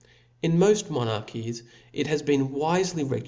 In moft monarchies, it has been wifely regu^